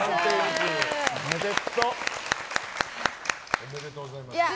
おめでとうございます。